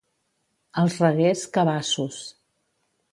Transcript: Als Reguers, cabassos.